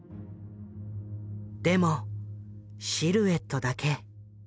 でもシルエットだけ。